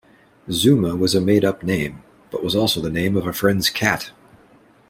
Zuma was a made-up name but was also the name of a friend's cat.